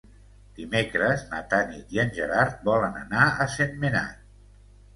Dimecres na Tanit i en Gerard volen anar a Sentmenat.